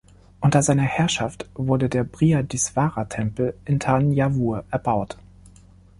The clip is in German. Unter seiner Herrschaft wurde der Brihadisvara-Tempel in Thanjavur erbaut.